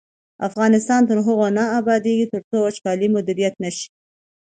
افغانستان تر هغو نه ابادیږي، ترڅو وچکالي مدیریت نشي.